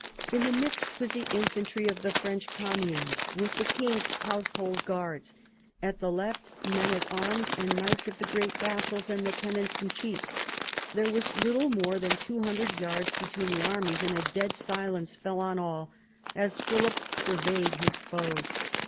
In the midst was the infantry of the French communes with the king's household guards; at the left men at IV BOUVINES 103 arms and knights of the great vassals and the tenants in chief. There was little more than 200 yards between the armies, and a dead silence fell on all as Philip sur veyed his foes.